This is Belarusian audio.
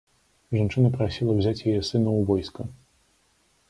Жанчына прасіла ўзяць яе сына ў войска.